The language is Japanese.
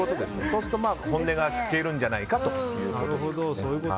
そうすると本音が聞けるんじゃないかということですね。